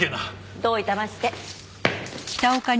どういたまして。